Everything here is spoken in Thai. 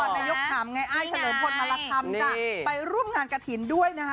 นายกหัมศ์ไงอ้ายเฉลิมพลมารักษัมนธ์จะไปร่วมงานกระถิ่นด้วยนะฮะ